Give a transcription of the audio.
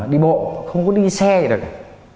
đi bộ không có đi xe gì đâu